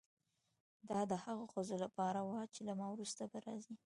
دا د هغو ښځو په اړه وه چې له ما وروسته به راځي.